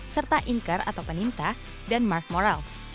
serta inker atau peninta dan mark moral